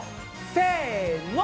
せの！